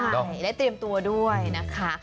ใช่ได้เตรียมตัวด้วยนะคะ